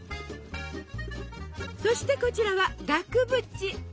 そしてこちらは額縁。